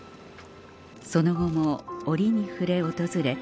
その後も折に触れ訪れ